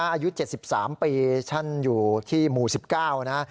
อายุ๗๓ปีท่านอยู่ที่หมู่๑๙นะ